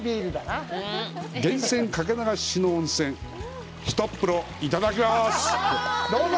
源泉かけ流しの温泉、ひとっ風呂、いただきます！